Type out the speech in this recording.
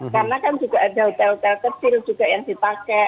karena kan juga ada hotel hotel kecil juga yang dipakai